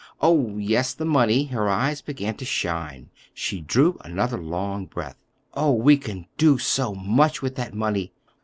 "Oh, yes, the money!" Her eyes began to shine. She drew another long breath. "Oh, we can do so much with that money!